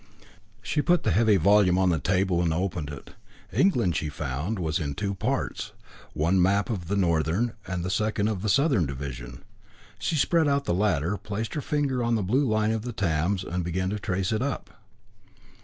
She put the heavy volume on the table and opened it. England, she found, was in two parts, one map of the Northern, the second of the Southern division. She spread out the latter, placed her finger on the blue line of the Thames, and began to trace it up.